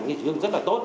cái chủ trương rất là tốt